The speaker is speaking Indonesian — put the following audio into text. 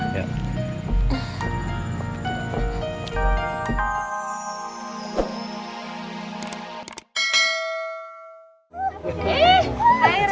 bener juga sih